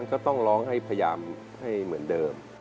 ก็ต้องร้องให้พยายามให้เหมือนเดิม